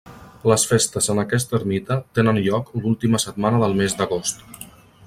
Les festes en aquesta ermita tenen lloc l'última setmana del mes d'agost.